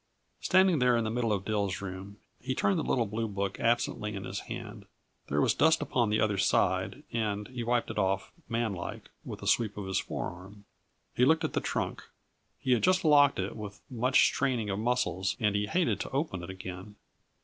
Standing there in the middle of Dill's room, he turned the little blue book absently in his hand. There was dust upon the other side, and he wiped it off, manlike, with a sweep of his forearm. He looked at the trunk; he had just locked it with much straining of muscles and he hated to open it again.